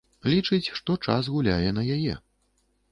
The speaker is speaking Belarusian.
Лічыць, што час гуляе на яе.